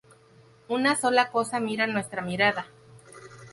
Una sola cosa mira nuestra mirada.